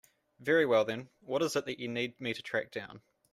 Very well then, what is it that you need me to track down?